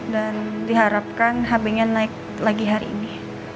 dan diharapkan habisnya naik lagi hari ini